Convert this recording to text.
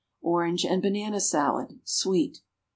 =Orange and Banana Salad.= (_Sweet.